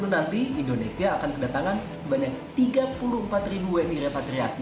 nanti indonesia akan kedatangan sebanyak tiga puluh empat ribu wni repatriasi